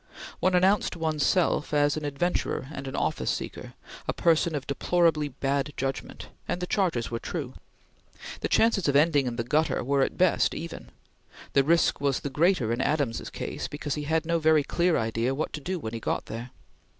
One announced one's self as an adventurer and an office seeker, a person of deplorably bad judgment, and the charges were true. The chances of ending in the gutter were, at best, even. The risk was the greater in Adams's case, because he had no very clear idea what to do when he got there.